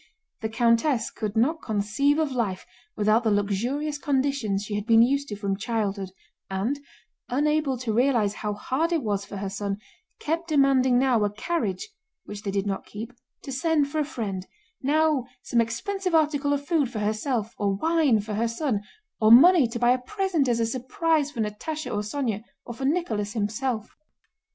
The countess could not conceive of life without the luxurious conditions she had been used to from childhood and, unable to realize how hard it was for her son, kept demanding now a carriage (which they did not keep) to send for a friend, now some expensive article of food for herself, or wine for her son, or money to buy a present as a surprise for Natásha or Sónya, or for Nicholas himself.